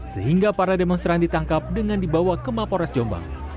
sehingga para demonstran ditangkap dengan dibawa ke mapores jombang